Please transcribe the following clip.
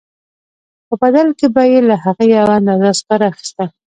په بدل کې به یې له هغه یوه اندازه سکاره اخیستل